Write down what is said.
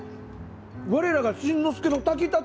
我らが新之助の炊きたて。